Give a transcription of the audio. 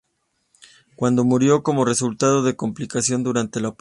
Cando murió como resultado de complicaciones durante la operación.